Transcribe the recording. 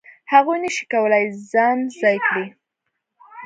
هغوی نه شي کولای ځان ځای کړي.